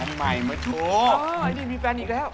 แฟนใหม่เมื่อทุกโอ้อ๋อไอ้นี่มีแฟนอีกแล้ว